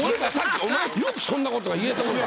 お前よくそんなことが言えたもんだな。